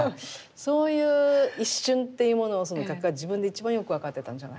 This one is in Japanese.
そういう一瞬っていうものを画家は自分で一番よく分かってたんじゃないかなと思うんですね。